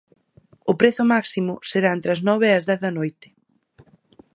O prezo máximo será entre as nove e as dez da noite.